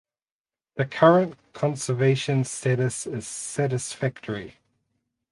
The current conservation status is satisfactory.